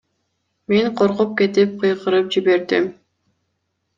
Мен коркуп кетип, кыйкырып жибердим.